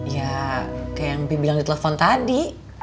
ya kayak yang bi bilang di telepon tadi